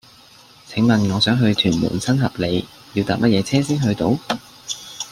請問我想去屯門新合里要搭乜嘢車先去到